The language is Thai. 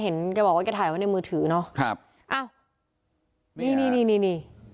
เห็นแกบอกว่าแกถ่ายไว้ในมือถือเนอะครับอ้าวนี่นี่นี่นี่นี่